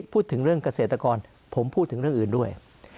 พูดถึงเรื่องเกษตรกรผมพูดถึงเรื่องอื่นด้วย